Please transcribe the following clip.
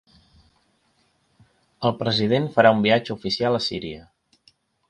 El president farà un viatge oficial a Síria.